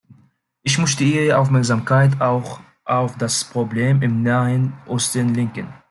Ich möchte Ihre Aufmerksamkeit auch auf das Problem im Nahen Osten lenken.